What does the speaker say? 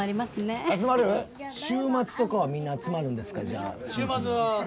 週末とかはみんな集まるんですか？